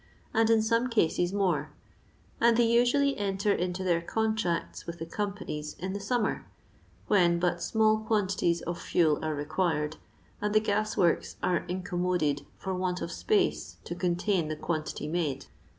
and in some cases more, and they usually enter into their contracts with the companies in the snmmer, when but small quan tities of fuel are required, and the gas works are incommoded for want of space to contain the quantity made.